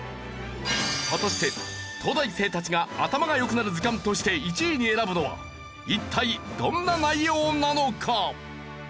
果たして東大生たちが頭が良くなる図鑑として１位に選ぶのは一体どんな内容なのか？